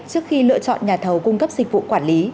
trước khi lựa chọn nhà thầu cung cấp dịch vụ quản lý